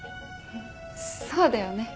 そうだよね。